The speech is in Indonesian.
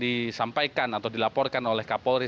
disampaikan atau dilaporkan oleh kapolri